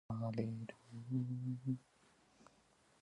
Min mbolwa o nana boɗɗum.